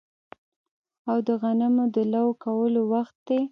او د غنمو د لو کولو وخت دی